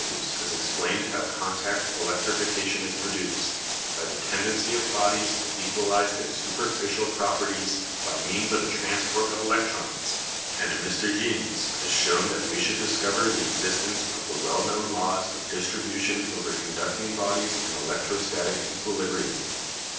] In the same way Professor Hesehus has explained how contact electrification is produced, by the tendency of bodies to equalise their superficial properties by means of a transport of electrons, and Mr Jeans has shown that we should discover the existence of the well known laws of distribution over conducting bodies in electrostatic equilibrium.